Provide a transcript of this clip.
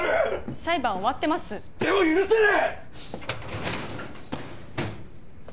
裁判終わってますでも許せねえ！